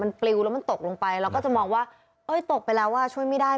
มันปลิวแล้วมันตกลงไปเราก็จะมองว่าเอ้ยตกไปแล้วอ่ะช่วยไม่ได้